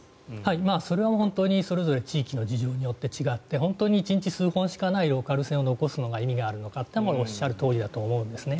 それは、それぞれ地域の事情によって違って本当に１日数本しかないローカル線を残すのが意味があるのかというのはおっしゃるとおりだと思うんですね。